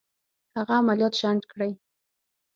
هغه عملیات شنډ کړي.